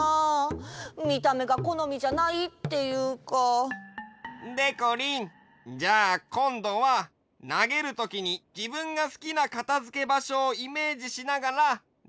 みためがこのみじゃないっていうか。でこりんじゃあこんどはなげるときにじぶんがすきなかたづけばしょをイメージしながらなげてごらん！